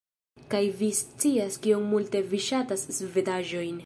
- Kaj vi scias kiom multe vi ŝatas svedaĵojn